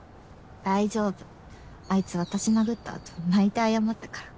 大丈夫あいつ私殴った後泣いて謝ったから。